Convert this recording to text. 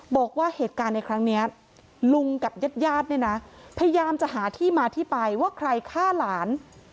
บอกว่าเหตุการณ์ในครั้งนี้ลุงกับญาติญาติเนี่ยนะพยายามจะหาที่มาที่ไปว่าใครฆ่าหลาน